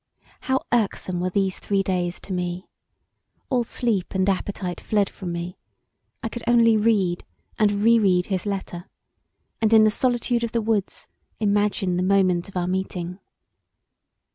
How irksome were these three days to me! All sleep and appetite fled from me; I could only read and re read his letter, and in the solitude of the woods imagine the moment of our meeting.